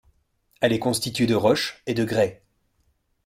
Elle est constituée de roches et de grès.